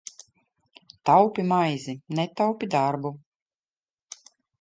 Taupi maizi, netaupi darbu!